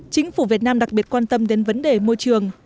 chính phủ việt nam đặc biệt quan tâm đến vấn đề môi trường